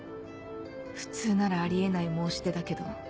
普通ならあり得ない申し出だけど